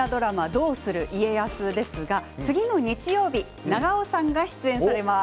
「どうする家康」ですが次の日曜日長尾さんが出演されます。